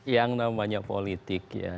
yang namanya politik ya